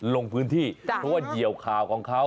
ลงพื้นที่เพราะว่าเหี่ยวข่าวของเขา